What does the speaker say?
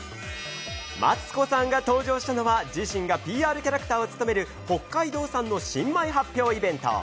マツコさんが登場したのは、自身がＰＲキャラクターを務める北海道産の新米発表イベント。